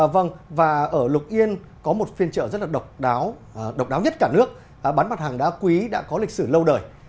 vâng và ở lục yên có một phiên chợ rất là độc đáo độc đáo nhất cả nước bán mặt hàng đá quý đã có lịch sử lâu đời